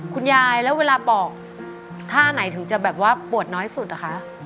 คุณยายแล้วเวลาปอกท่าไหนถึงจะแบบว่าปวดน้อยสุดอะคะ